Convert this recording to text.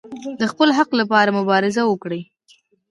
د خپل حق لپاره مبارزه وکړئ